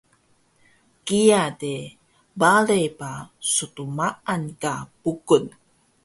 Kiya de bale ba stmaan ka Bukung